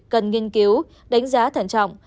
cần nghiên cứu đánh giá thẳng trọng